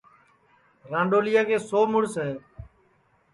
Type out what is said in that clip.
رانڈؔولیا کے سو مُڑس ہے